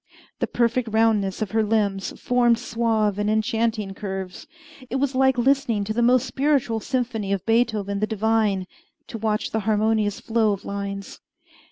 The perfect roundness of her limbs formed suave and enchanting curves. It was like listening to the most spiritual symphony of Beethoven the divine, to watch the harmonious flow of lines.